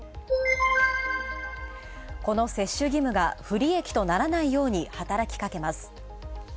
この接種義務が不利益とならないように働きかけます。